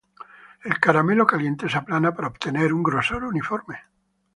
El caramelo caliente se aplana para obtener un grosor uniforme.